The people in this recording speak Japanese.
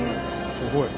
すごい。